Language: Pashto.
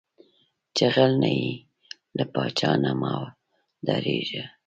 چې غل نۀ یې، لۀ پاچا نه مۀ ډارېږه